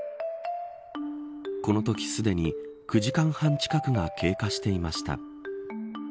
このとき、すでに９時間半近くが経過していました。